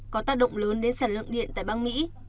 có tác động lớn đến sản lượng điện tại bang mỹ